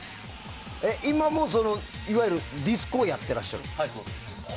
今もいわゆるディスコをやっていらっしゃる？